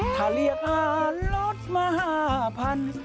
ถ้าเรียกอารสมหาพันธ์